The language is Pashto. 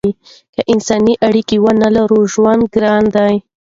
که انسانان اړیکې ونلري ژوند ګران دی.